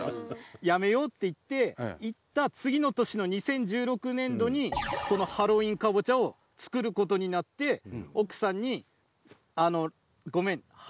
やめようって言って言った次の年の２０１６年度にこのハロウィーンかぼちゃを作ることになって奥さんに「ごめん。